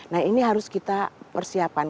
nah ini harus kita persiapan